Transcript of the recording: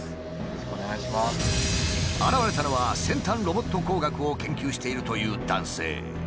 現れたのは先端ロボット工学を研究しているという男性。